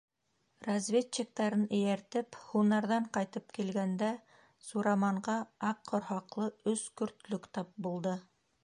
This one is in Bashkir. Разведчиктарын эйәртеп һунарҙан ҡайтып килгәндә Сураманға Аҡ ҡорһаҡлы өс көртлөк тап булды.